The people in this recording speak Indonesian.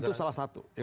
itu salah satu